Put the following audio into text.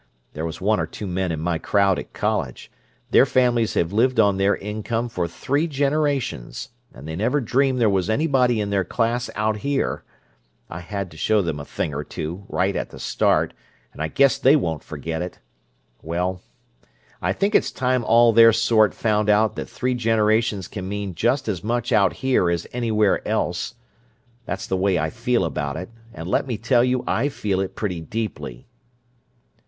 There were one or two men in my crowd at college, their families had lived on their income for three generations, and they never dreamed there was anybody in their class out here. I had to show them a thing or two, right at the start, and I guess they won't forget it! Well, I think it's time all their sort found out that three generations can mean just as much out here as anywhere else. That's the way I feel about it, and let me tell you I feel it pretty deeply!"